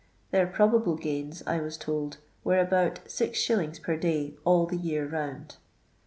Their probable gains, I was told, were about 6i. per day all the year round.